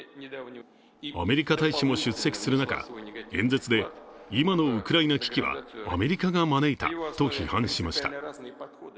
アメリカ大使も出席する中、演説で今のウクライナ危機はアメリカが招いたと批判しました。